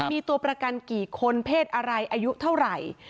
มีตัวประกันกี่คนเพศอะไรอายุเท่าไหร่